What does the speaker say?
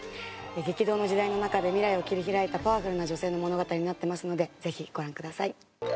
激動の時代の中で未来を切り開いたパワフルな女性の物語になってますのでぜひご覧ください。